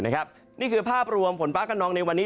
นี่คือภาพรวมฝนฟ้ากระนองในวันนี้